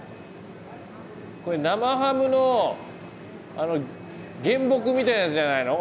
これ生ハムの原木みたいなやつじゃないの？